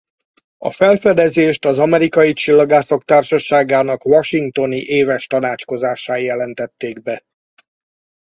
A felfedezést az amerikai csillagászok társaságának washingtoni éves tanácskozásán jelentették be.